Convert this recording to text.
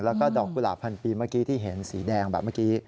แล้วก็ดอกกุหลาบพันปีเมื่อกี้ที่เห็นสีแดงแบบเมื่อกี้